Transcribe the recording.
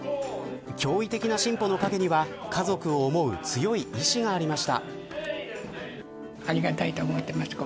驚異的な進歩の陰には家族を思う強い意志がありました。